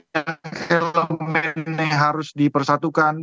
yang elemen harus dipersatukan